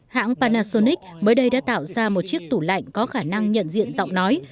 hãng panasonic mới đây đã tạo ra một chiếc tủ lạnh có khả năng nhận diện giọng nói